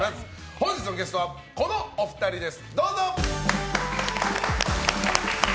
本日のゲストはこのお二人です！